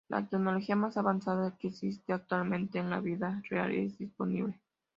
La Tecnología más avanzada que existe actualmente en la vida real es disponible.